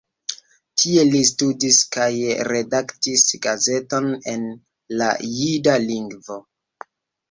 Tie li studis kaj redaktis gazeton en la jida lingvo.